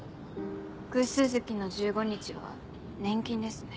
偶数月の１５日は年金ですね。